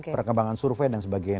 perkembangan survei dan sebagainya